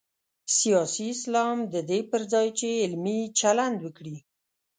سیاسي اسلام د دې پر ځای چې علمي چلند وکړي.